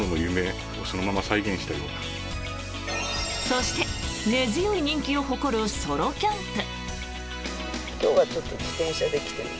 そして根強い人気を誇るソロキャンプ。